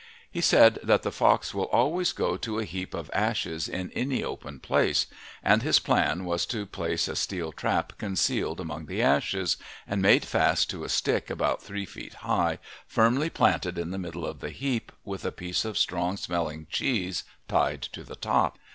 He said that the fox will always go to a heap of ashes in any open place, and his plan was to place a steel trap concealed among the ashes, made fast to a stick about three feet high, firmly planted in the middle of the heap, with a piece of strong smelling cheese tied to the top.